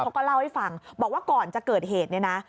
เขาก็เล่าให้ฟังบอกว่าก่อนจะเกิดเหตุเนี่ยนะ